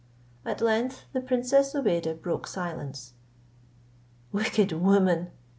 At length the princess Zobeide broke silence: "Wicked woman!"